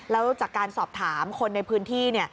แล้วจากการสอบถามคนในพื้นที่เนี่ย